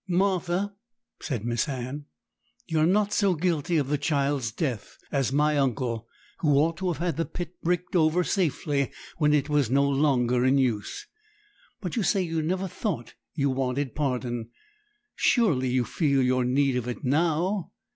'Martha,' said Miss Anne, 'you are not so guilty of the child's death as my uncle, who ought to have had the pit bricked over safely when it was no longer in use. But you say you never thought you wanted pardon. Surely you feel your need of it now.'